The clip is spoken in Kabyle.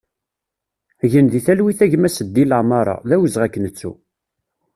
Gen di talwit a gma Seddi Lamara, d awezɣi ad k-nettu!